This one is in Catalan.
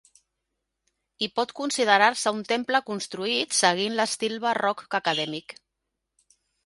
I pot considerar-se un temple construït seguint l'estil barroc acadèmic.